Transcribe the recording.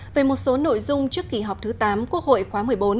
về một số nội dung trước kỳ họp thứ tám quốc hội khóa một mươi bốn